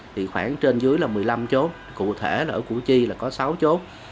thì khoảng trên dưới là một mươi năm chốt cụ thể là ở củ chi là có sáu chốt